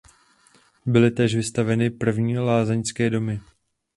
Byly též vystavěny první lázeňské domy.